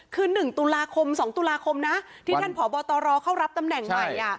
คือ๑ตุลาคม๒ตุลาคมนะที่ท่านผอบตรเข้ารับตำแหน่งใหม่